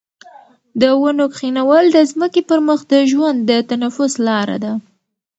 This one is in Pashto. د ونو کښېنول د ځمکې پر مخ د ژوند د تنفس لاره ده.